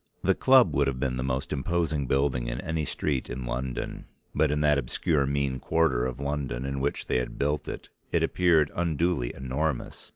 The club would have been the most imposing building in any street in London, but in that obscure mean quarter of London in which they had built it it appeared unduly enormous.